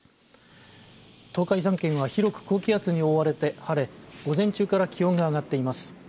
東海３県は広く高気圧に覆われて晴れ午前中から気温が上がっています。